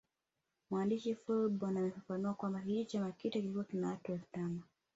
Mwandishi Fullborn amefafanua kwamba kijiji cha Makita kilikuwa na watu elfu tano